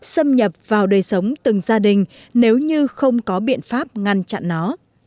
xâm nhập vào đời sống từng gia đình nếu như không có biện pháp ngăn chặn nó